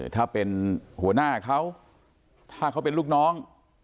ถ้าเป็นหัวหน้าเขาถ้าเขาเป็นลูกน้อง